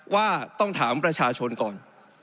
ว่าต้องถามประชาชนก่อน